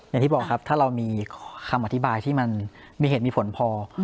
อย่างที่บอกครับถ้าเรามีคำอธิบายที่มันมีเหตุมีผลพอ